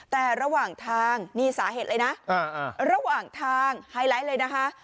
แต่ระหว่างทางนี่สาเหตุเลยนะระหว่างทางไฮไลท์เลยนะคะ